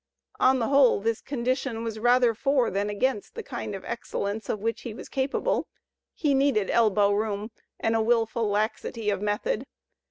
On the whole this condition was rather for than against the kind of excellence of which he was ^ capable; he needed elbow room and a wilful laxity of method.